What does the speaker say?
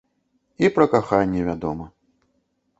І пра каханне, вядома.